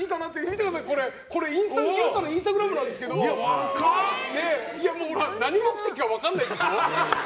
見てください、これ、裕太のインスタグラムなんですけど何目的か分からないでしょ。